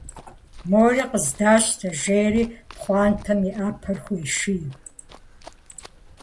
Мори къыздэщтэ, - жеӏэри пхъуантэм и Ӏэпэр хуеший.